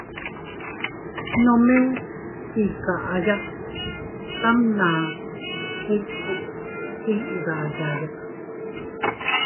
Nome iykaya tamʼna ikuus iʼi dayaya.